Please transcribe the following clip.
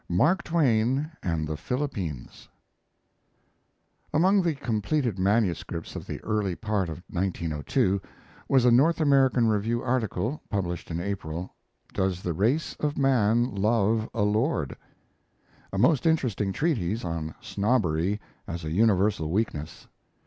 MARK TWAIN AND THE PHILIPPINES Among the completed manuscripts of the early part of 1902 was a North American Review article (published in April) "Does the Race of Man Love a Lord?" a most interesting treatise on snobbery as a universal weakness.